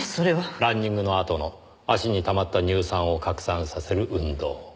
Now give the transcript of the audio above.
ランニングのあとの足にたまった乳酸を拡散させる運動。